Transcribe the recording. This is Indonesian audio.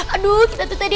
aduh kita tuh tadi